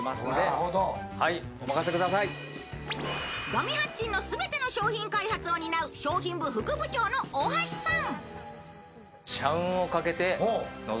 五味八珍の全ての商品開発を担う商品部副部長の大橋さん。